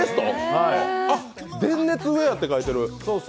電熱ウエアって書いてある。